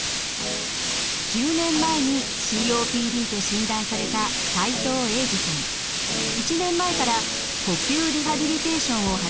１０年前にＣＯＰＤと診断された１年前から呼吸リハビリテーションを始めました。